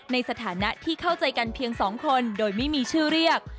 ในฐานะที่เข้าใจกันเพียง๒คนโดยไม่มีชื่อเรียก